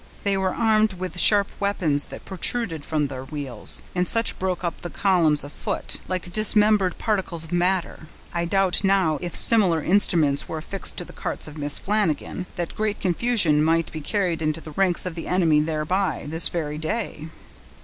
"They were armed with sharp weapons that protruded from their wheels, and which broke up the columns of foot, like dismembered particles of matter. I doubt not, if similar instruments were affixed to the cart of Mrs. Flanagan, that great confusion might be carried into the ranks of the enemy thereby, this very day."